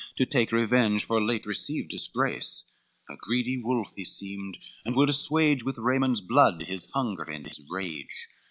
To take revenge for late received disgrace, A greedy wolf he seemed, and would assuage With Raymond's blood his hunger and his rage.